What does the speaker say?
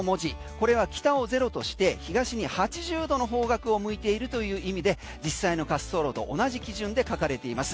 これは北をゼロとして東に８０度の方角を向いているという意味で実際の滑走路と同じ基準で書かれています。